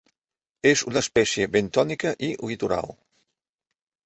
És una espècie bentònica i litoral.